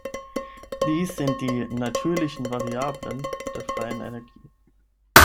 Dies sind die „natürlichen Variablen“ der freien Energie.